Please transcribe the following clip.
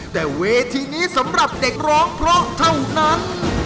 แต่เวทีนี้สำหรับเด็กร้องเพราะเท่านั้น